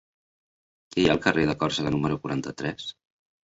Què hi ha al carrer de Còrsega número quaranta-tres?